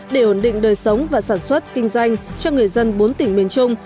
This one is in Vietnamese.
để ổn định đời sống và sản xuất kinh doanh cho người dân bốn tỉnh miền trung